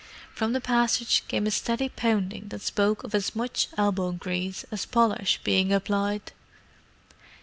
From the passage came a steady pounding that spoke of as much "elbow grease" as polish being applied.